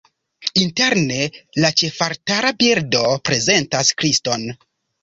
Interne la ĉefaltara bildo prezentas Kriston.